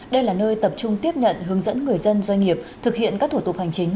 đây là nơi tập trung tiếp nhận hướng dẫn người dân doanh nghiệp thực hiện các thủ tục hành chính